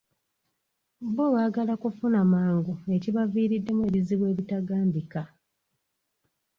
Bo baagala kufuna mangu ekibaviiriddemu ebizibu ebitagambika.